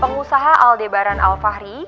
pengusaha aldebaran alfahri